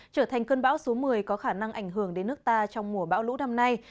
trở thành cơn bão số một mươi có khả năng ảnh hưởng đến nước ta trong mùa bão lũ năm nay